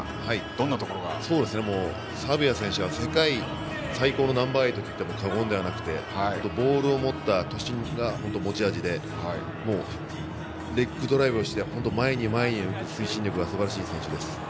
サベア選手は世界最高のナンバーエイトといっても過言ではなくてボールを持った突進が持ち味でレッグドライブをして前へ前への推進力がすばらしい選手です。